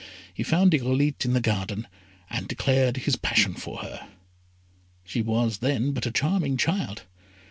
He found Irolite in the garden, and declared his passion for her. She was then but a charming child.